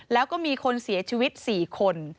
แล้วก็มีคนเสียชีวิต๔คน